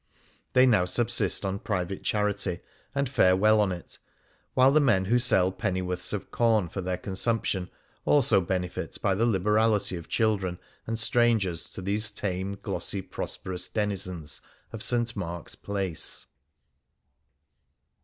They now sub sist on private charity, and fare well on it, while the men who sell pennyworths of corn for their consumption also benefit by the liberality of children and strangers to these tame, glossy, prosperous denizens of St. Mark's Place.